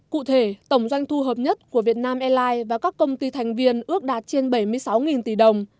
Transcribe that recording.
cụ thể tổng doanh thu hợp nhất của việt nam airlines và các công ty thành viên ước đạt trên bảy mươi sáu tỷ đồng